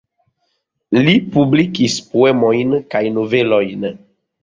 Li publikis poemojn kaj novelojn.